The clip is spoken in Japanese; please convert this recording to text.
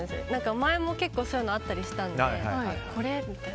前も結構そういうのあったりしたのでこれ？みたいな。